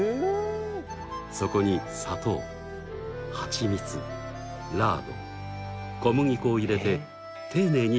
そこに砂糖蜂蜜ラード小麦粉を入れて丁寧にかき混ぜます。